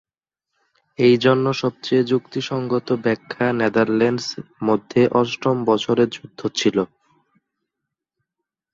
এই জন্য সবচেয়ে যুক্তিসঙ্গত ব্যাখ্যা নেদারল্যান্ডস মধ্যে অষ্টম বছরের যুদ্ধ ছিল।